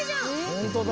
ホントだ。